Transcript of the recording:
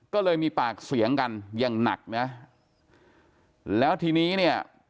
ก็เลยมีปากเสียงกันอย่างหนักนะแล้วทีนี้เนี่ย